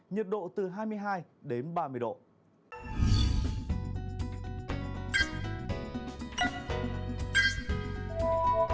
nhiệt độ từ hai mươi hai đến ba mươi độ